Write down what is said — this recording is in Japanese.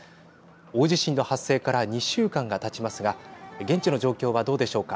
大地震の発生から２週間がたちますが現地の状況はどうでしょうか。